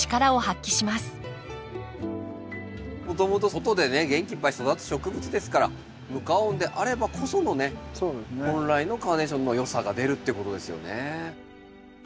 もともと外でね元気いっぱい育つ植物ですから無加温であればこそのね本来のカーネーションのよさが出るっていうことですよね。